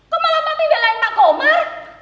komar tak belain pak komar